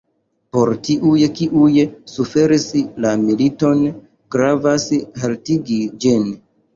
Por tiuj, kiuj suferis la militon, gravas haltigi ĝin.